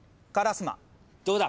どうだ。